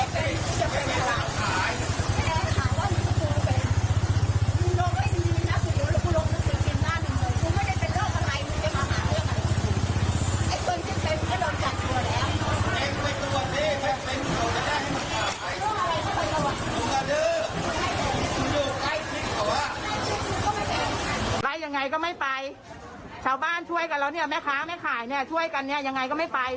แล้วยังไงก็ไม่ไปชาวบ้านช่วยกันแล้วเนี่ยแม่ค้าแม่ขายเนี่ยช่วยกันเนี่ยยังไงก็ไม่ไป